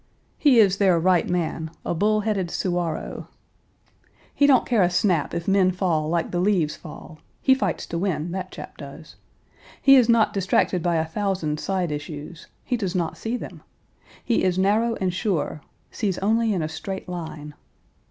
He is their right man, a bull headed Suwarrow. He don't Page 270 care a snap if men fall like the leaves fall; he fights to win, that chap does. He is not distracted by a thousand side issues; he does not see them. He is narrow and sure sees only in a straight line.